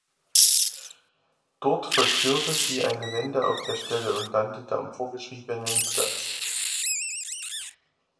Dort vollführte sie eine Wende auf der Stelle und landete am vorgeschriebenen Platz.